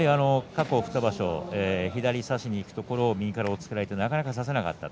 過去２場所、左から差しにいくところを右から押っつけられて、なかなか差せなかった。